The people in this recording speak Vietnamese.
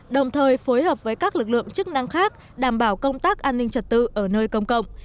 đồng thời phối hợp với các lực lượng chức năng khác đảm bảo công tác an ninh trật tự ở nơi công cộng